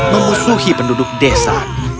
memusuhi penduduk desa